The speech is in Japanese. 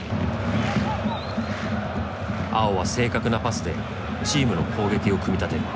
碧は正確なパスでチームの攻撃を組み立てる。